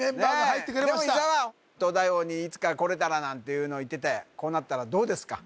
伊沢「東大王」にいつか来れたらなんていうのを言っててこうなったらどうですか？